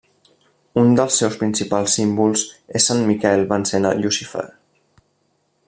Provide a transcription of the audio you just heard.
Un dels seus principals símbols és Sant Miquel vencent a Llucifer.